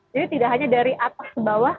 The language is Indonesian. jadi tidak hanya dari atas ke bawah